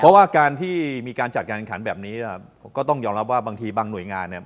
เพราะว่าการที่มีการจัดการขันแบบนี้เนี่ยก็ต้องยอมรับว่าบางทีบางหน่วยงานเนี่ย